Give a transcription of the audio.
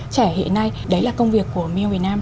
trẻ hệ này đấy là công việc của milong việt nam